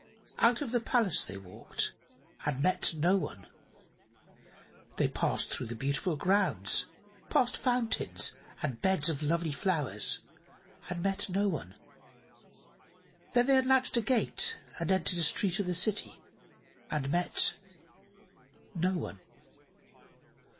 Out of the palace they walked, and met no one. They passed through the beautiful grounds, past fountains and beds of lovely flowers, and met no one. Then they unlatched a gate and entered a street of the city, and met no one.